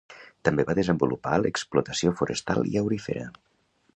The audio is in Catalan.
També va desenvolupar l'explotació forestal i aurífera.